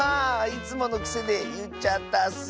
いつものくせでいっちゃったッス。